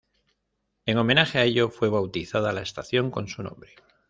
En homenaje a ello fue bautizada la estación con su nombre.